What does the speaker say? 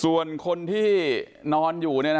ส่วนคนที่นอนอยู่เนี่ยนะฮะ